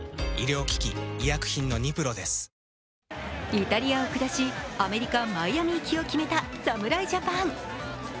イタリアを下しアメリカマイアミ行きを決めた侍ジャパン。